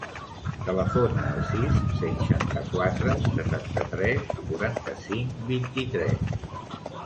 Telefona al sis, seixanta-quatre, setanta-tres, quaranta-cinc, vint-i-tres.